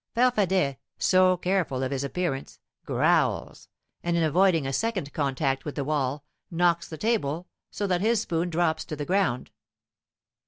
Farfadet, so careful of his appearance, growls, and in avoiding a second contact with the wall, knocks the table so that his spoon drops to the ground.